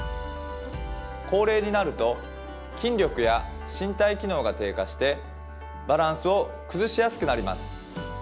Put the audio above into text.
高齢になると筋力や身体機能が低下してバランスを崩しやすくなります。